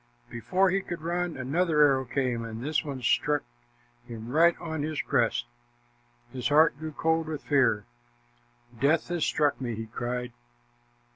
Before he could run, another arrow came, and this one struck him right on his crest. His heart grew cold with fear. "Death has struck me," he cried.